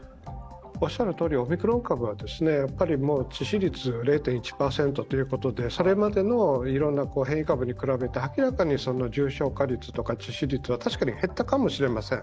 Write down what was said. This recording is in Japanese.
オミクロン株は致死率０．１％ということで、それまでのいろんな変異株に比べて明らかに重症化率や致死率は確かに減ったかもしれません。